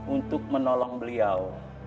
untuk menolong beliau